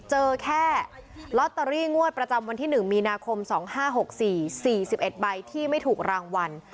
เจอแค่ลอตเตอรี่งวดประจำวันที่๑มีนาคม๒๕๖๔๔๑ใบที่ไม่ถูกรางวัล